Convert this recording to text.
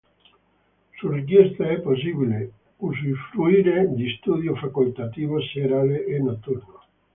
Su richiesta è possibile usufruire di studio facoltativo serale e notturno.